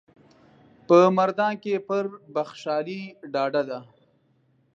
په مردان کې پر بخشالي ډاډه ده.